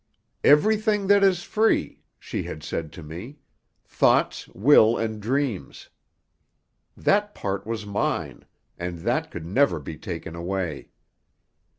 "Everything that is free," she had said to me, "thoughts, will and dreams." That part was mine; and that could never be taken away.